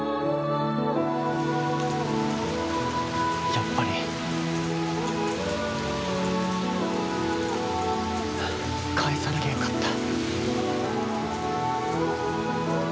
やっぱり帰さなきゃよかった。